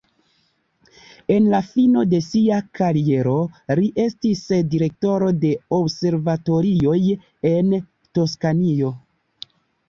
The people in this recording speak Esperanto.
En la fino de sia kariero li estis direktoro de observatorioj en Toskanio.